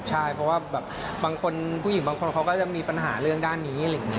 ใช่เพราะว่าบางคนผู้หญิงบางคนเขาก็จะมีปัญหาเรื่องด้านนี้